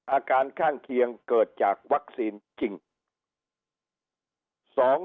อาการข้างเคียงเกิดจากวัคซีนจริง